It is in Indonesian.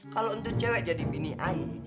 kalo untuk cewe jadi bini ai